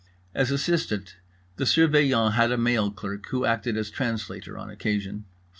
As assistant, the Surveillant had a mail clerk who acted as translator on occasion.